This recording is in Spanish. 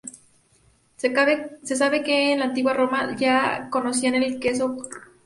Se sabe que en la Antigua Roma ya conocían el queso roquefort.